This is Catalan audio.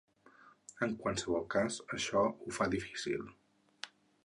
En qualsevol cas, això ho fa difícil.